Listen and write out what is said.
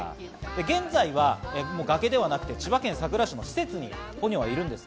現在は崖ではなくて千葉県佐倉市の施設にポニョはいます。